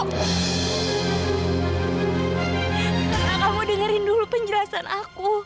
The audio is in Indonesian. karena kamu dengerin dulu penjelasan aku